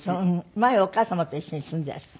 前はお母様と一緒に住んでいらした。